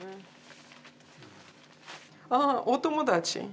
ああお友達。